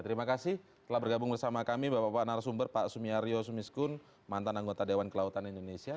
terima kasih telah bergabung bersama kami bapak bapak narasumber pak sumiario sumiskun mantan anggota dewan kelautan indonesia